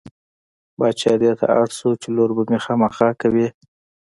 باچا دې ته اړ شو چې لور به مې خامخا کوې.